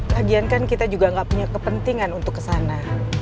lagian kan kita juga gak punya kepentingan untuk kesana